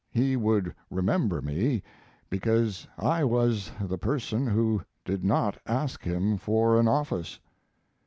He would remember me, because I was the person who did not ask him for an office."